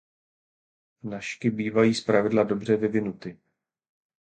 Nažky bývají zpravidla dobře vyvinuty.